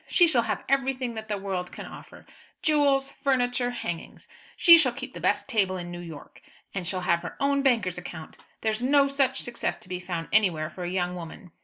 She shall have everything that the world can offer jewels, furniture, hangings! She shall keep the best table in New York, and shall have her own banker's account. There's no such success to be found anywhere for a young woman.